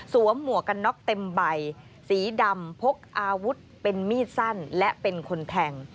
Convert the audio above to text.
หมวกกันน็อกเต็มใบสีดำพกอาวุธเป็นมีดสั้นและเป็นคนแทง